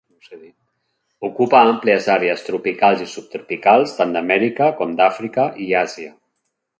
Ocupa àmplies àrees tropicals i subtropicals tant d'Amèrica com d'Àfrica i Àsia.